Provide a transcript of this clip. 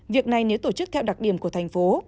việc này nếu tổ chức theo đặc điểm của thành phố